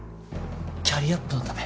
キャリアアップのため？